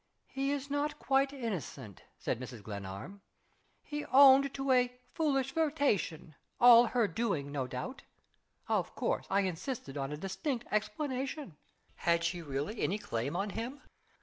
_" "He is not quite innocent," said Mrs. Glenarm. "He owned to a foolish flirtation all her doing, no doubt. Of course, I insisted on a distinct explanation. Had she really any claim on him?